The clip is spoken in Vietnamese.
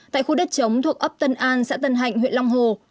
tại khu đất chống thuộc ấp tân an xã tân hạnh huyện long hồ